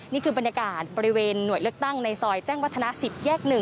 นี่คือบรรยากาศบริเวณหน่วยเลือกตั้งในซอยแจ้งวัฒนา๑๐แยก๑